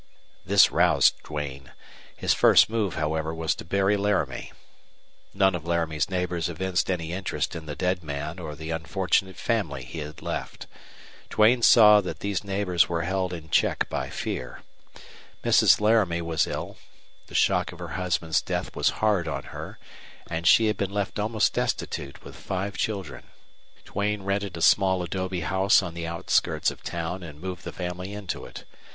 This roused Duane. His first move, however, was to bury Laramie. None of Laramie's neighbors evinced any interest in the dead man or the unfortunate family he had left. Duane saw that these neighbors were held in check by fear. Mrs. Laramie was ill; the shock of her husband's death was hard on her; and she had been left almost destitute with five children. Duane rented a small adobe house on the outskirts of town and moved the family into it.